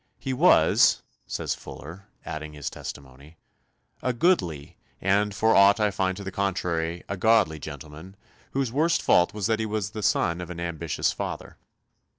"He was," says Fuller, adding his testimony, "a goodly and (for aught I find to the contrary) a godly gentleman, whose worst fault was that he was son to an ambitious father."